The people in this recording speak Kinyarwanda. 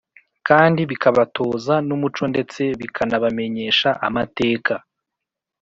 kandi bikabatoza n’umuco ndetse bikanabamenyesha amateka.